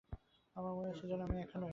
আমার মনে হচ্ছে, যেন আমি একা নই।